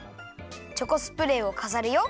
チョコスプレーをかざるよ。